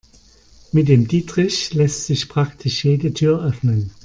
Mit dem Dietrich lässt sich praktisch jede Tür öffnen.